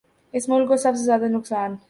اس ملک کو سب سے زیادہ نقصان